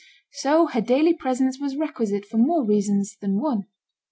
So her daily presence was requisite for more reasons than one.